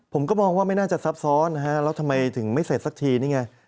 ผมก็มองว่าไม่น่าจะซับซ้อนนะฮะแล้วทำไมถึงไม่เสร็จสักทีนี่ไง